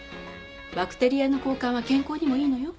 バクテリアの交換は健康にもいいのよ。